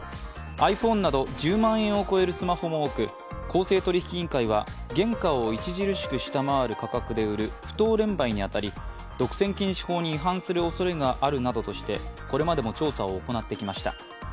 ｉＰｈｏｎｅなど１０万円を超えるスマホも多く公正取引委員会は原価を著しく下回る価格で売る不当廉売に当たり、独占禁止法に違反するおそれがあるなどしてこれまでも調査を行ってきました。